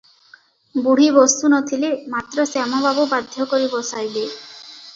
ବୁଢ଼ୀ ବସୁ ନଥିଲେ, ମାତ୍ର ଶ୍ୟାମବାବୁ ବାଧ୍ୟ କରି ବସାଇଲେ ।